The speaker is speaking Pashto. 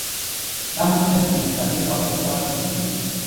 دا مسؤلیت د متقابل باور لپاره بنسټ دی.